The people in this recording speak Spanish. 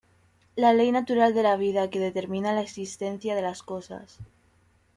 La ley natural de la vida que determina la existencia de las cosas.